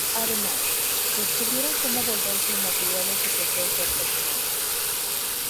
Además, descubrieron cómo volverse inmateriales y poseer cuerpos humanos.